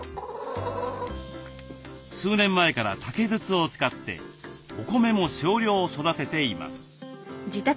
数年前から竹筒を使ってお米も少量育てています。